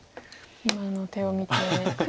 今の手を見て。